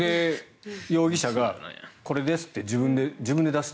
容疑者がこれですって自分で出した。